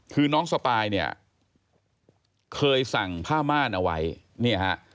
คือน้องสปายเคยสั่งผ้ามารเอาไว้